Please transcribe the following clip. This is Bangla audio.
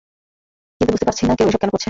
কিন্তু বুঝতে পারছি না কেউ এসব কেন করছে?